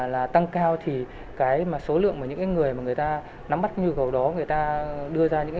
là tăng cao thì cái mà số lượng mà những người mà người ta nắm mắt nhu cầu đó người ta đưa ra những